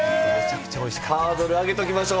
ハードル上げておきましょう。